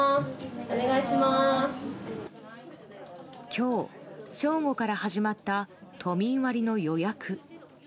今日、正午から始まった都民割の予約。